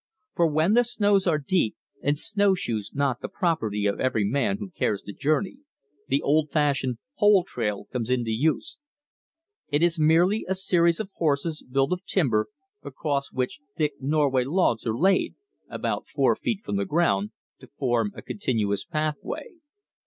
For when the snows are deep and snowshoes not the property of every man who cares to journey, the old fashioned "pole trail" comes into use. It is merely a series of horses built of timber across which thick Norway logs are laid, about four feet from the ground, to form a continuous pathway.